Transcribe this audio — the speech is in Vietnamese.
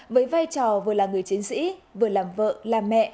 với vai trò vừa là người chiến sĩ vừa làm vợ làm mẹ